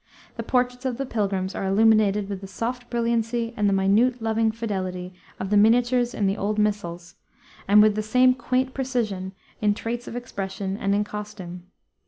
The portraits of the pilgrims are illuminated with the soft brilliancy and the minute loving fidelity of the miniatures in the old missals, and with the same quaint precision in traits of expression and in costume.